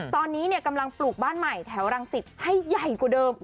ตอนนี้กำลังปลูกบ้านใหม่แถวรังสิตให้ใหญ่กว่าเดิม